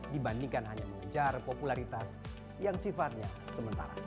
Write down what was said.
dibandingkan hanya mengejar popularitas yang sifatnya sementara